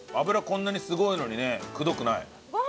こんなにすごいのにねくどくない。